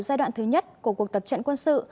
giai đoạn thứ nhất của cuộc tập trận quân sự